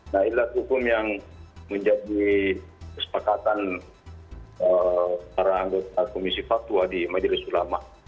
nah inilah hukum yang menjadi kesepakatan para anggota komisi fatwa di majelis ulama